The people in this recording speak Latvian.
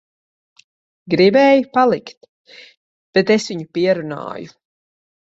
Gribēja palikt, bet es viņu pierunāju.